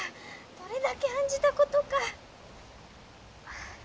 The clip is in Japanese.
どれだけ案じた事か。